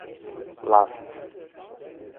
Lastro